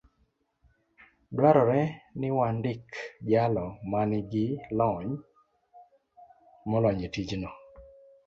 dwarore ni wandik jalo man gi lony molony e tijno.